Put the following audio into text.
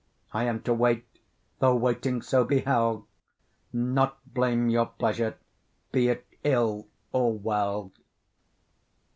I am to wait, though waiting so be hell, Not blame your pleasure be it ill or well.